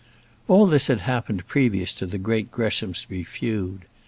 All this had happened previous to the great Greshamsbury feud.